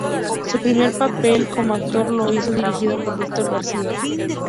Su primer papel como actor lo hizo dirigido por Víctor García.